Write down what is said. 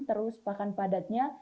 terus pakan padatnya